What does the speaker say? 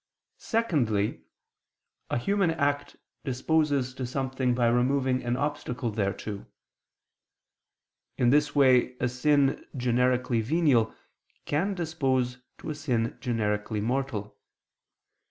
Secondly, a human act disposes to something by removing an obstacle thereto. In this way a sin generically venial can dispose to a sin generically mortal.